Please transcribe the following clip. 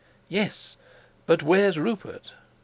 "Yes, but where's Rupert?"